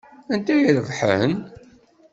Anta i irebḥen?